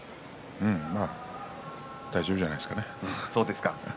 まあ大丈夫じゃないですか。